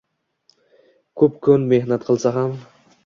Ko‘p kun mehnat qilsa ham